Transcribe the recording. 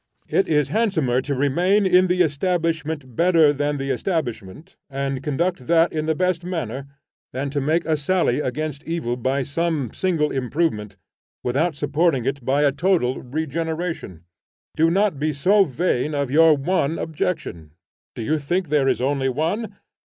It is handsomer to remain in the establishment better than the establishment, and conduct that in the best manner, than to make a sally against evil by some single improvement, without supporting it by a total regeneration. Do not be so vain of your one objection. Do you think there is only one?